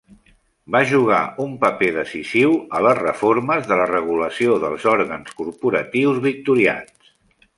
Va jugar un paper decisiu a les reformes de la regulació dels òrgans corporatius victorians.